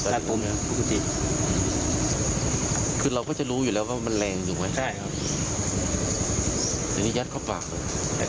แต่นี่ยัดเข้าปากเลยยัดเข้าปากเลย